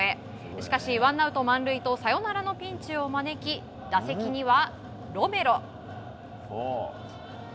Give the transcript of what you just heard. しかし、ワンアウト満塁とサヨナラのピンチを招き打席には、ロメロ。